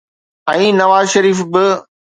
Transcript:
۽ نواز شريف به.